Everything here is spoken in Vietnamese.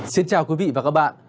xin chào quý vị và các bạn